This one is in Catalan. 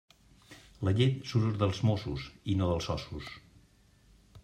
La llet surt dels mossos i no dels ossos.